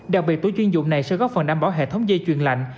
đặc biệt tủ chuyên dụng này sẽ góp phần đảm bảo hệ thống dây chuyên lạnh